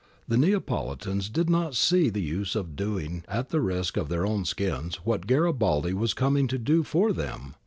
The Neapolitans did not see the use of doing at the risk of their own skins what Garibaldi was coming to do for them.